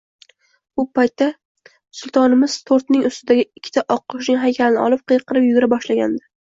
Bu paytda Sultonimiz tortning ustidagi ikkita oqqushning haykalini olib qiyqirib yugura boshlagandi